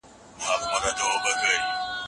توره تياره په غرونو راغله